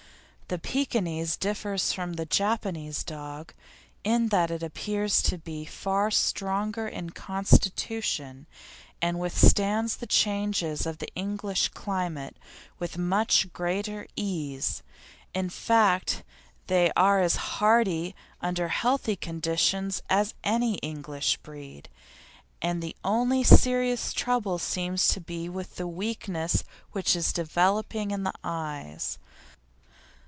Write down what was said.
The Pekinese differs from the Japanese dog in that it appears to be far stronger in constitution, and withstands the changes of the English climate with much greater ease; in fact, they are as hardy, under healthy conditions, as any English breed, and the only serious trouble seems to be the weakness which is developing in the eyes.